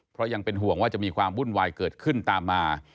เพราะยังเป็นห่วงว่าจะมีความวุ่นวายเกิดขึ้นตามมา